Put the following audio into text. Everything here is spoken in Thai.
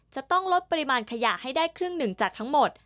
จะต้องลดปริมาณขยะให้ได้ครึ่งหนึ่งจากทั้งหมด